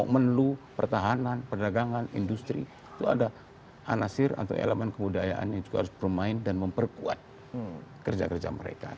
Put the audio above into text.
menlu pertahanan perdagangan industri itu ada anasir atau elemen kebudayaan yang juga harus bermain dan memperkuat kerja kerja mereka